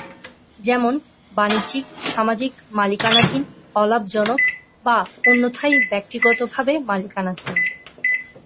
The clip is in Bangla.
যেমন বাণিজ্যিক, সামাজিক মালিকানাধীন, অলাভজনক, বা অন্যথায় ব্যক্তিগতভাবে মালিকানাধীন।